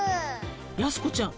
やす子ちゃん。